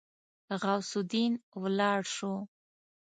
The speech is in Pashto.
غوث الدين ولاړ شو.